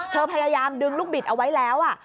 พยายามดึงลูกบิดเอาไว้แล้ว